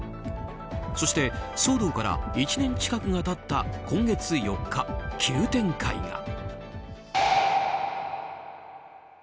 そして騒動から１年近くが経った今月４日、急展開が。